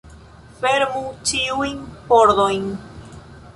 Fermu ĉiujn pordojn!